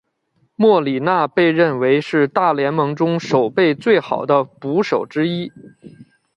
莫里纳被认为是大联盟中守备最好的捕手之一。